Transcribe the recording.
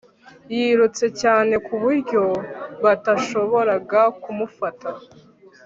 yirutse cyane ku buryo batashoboraga kumufata